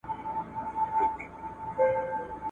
نه ګولۍ او نه مرمي مي چلولي ,